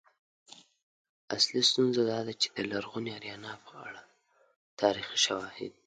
اصلی ستونزه دا ده چې د لرغونې آریانا په اړه تاریخي شواهد